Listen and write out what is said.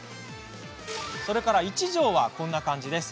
それから１畳はこんな感じ。